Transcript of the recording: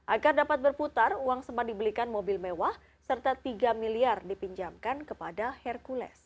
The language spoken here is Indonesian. agar dapat berputar uang sempat dibelikan mobil mewah serta tiga miliar dipinjamkan kepada hercules